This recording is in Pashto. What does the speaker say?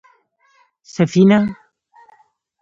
_سفينه؟